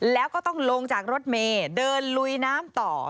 แล้วก็ต้องลงจากรถเมย์เดินลุยน้ำต่อ